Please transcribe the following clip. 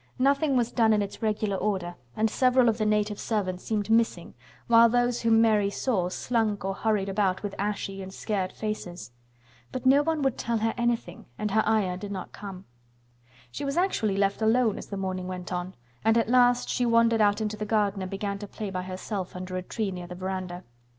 Nothing was done in its regular order and several of the native servants seemed missing, while those whom Mary saw slunk or hurried about with ashy and scared faces. But no one would tell her anything and her Ayah did not come. She was actually left alone as the morning went on, and at last she wandered out into the garden and began to play by herself under a tree near the veranda.